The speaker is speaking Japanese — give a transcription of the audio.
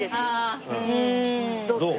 どうする？